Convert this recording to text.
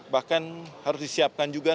bahkan harus disiapkan juga